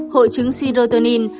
hội chứng serotonin